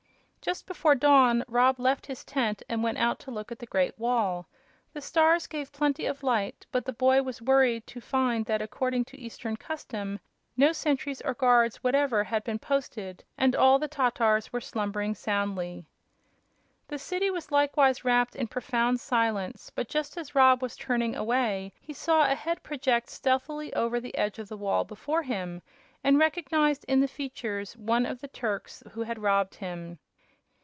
Just before dawn Rob left his tent and went out to look at the great wall. The stars gave plenty of light, but the boy was worried to find that, according to Eastern custom, no sentries or guards whatever had been posted and all the Tatars were slumbering soundly. The city was likewise wrapped in profound silence, but just as Rob was turning away he saw a head project stealthily over the edge of the wall before him, and recognized in the features one of the Turks who had robbed him.